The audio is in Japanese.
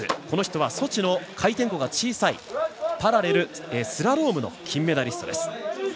この人はソチの回転度が小さいパラレルスラロームの金メダリストです。